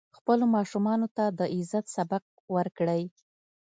خپلو ماشومانو ته د عزت سبق ورکړئ.